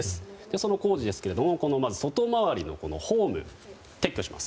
その工事ですが外回りのホームを撤去します。